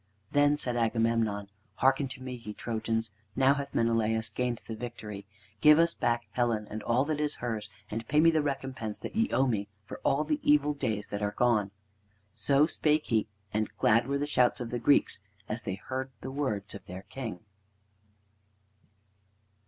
Then said Agamemnon: "Hearken to me, ye Trojans. Now hath Menelaus gained the victory. Give us back Helen, and all that is hers, and pay me the recompense that ye owe me for all the evil days that are gone." So spake he, and glad were the shouts of the Greeks as they heard the words of their king.